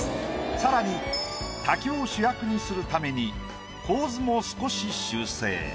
更に滝を主役にするために構図も少し修正。